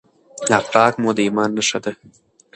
اخلاق مو د ایمان نښه ده.